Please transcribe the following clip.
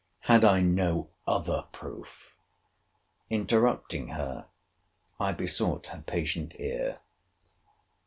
Had I no other proof—— Interrupting her, I besought her patient ear.